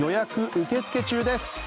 受け付け中です。